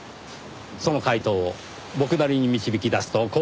その解答を僕なりに導き出すとこうなります。